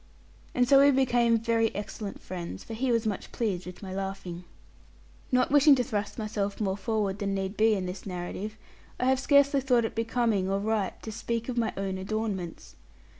And so we became very excellent friends, for he was much pleased with my laughing. Not wishing to thrust myself more forward than need be in this narrative, I have scarcely thought it becoming or right to speak of my own adornments.